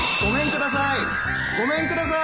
・ごめんください！